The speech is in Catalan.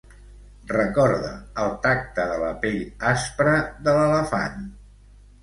Recorde el tacte de la pell aspra de l'elefant.